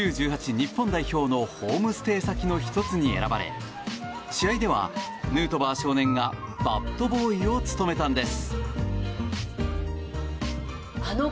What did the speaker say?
日本代表のホームステイ先の１つに選ばれ試合ではヌートバー少年がバットボーイを務めたんです。